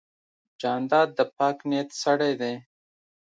جانداد د پاک نیت سړی دی.